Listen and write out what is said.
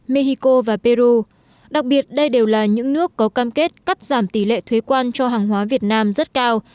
mexico và peru đặc biệt đây đều là những nước có cam kết cắt giảm tỷ lệ thuế quan cho hàng hóa việt nam rất cao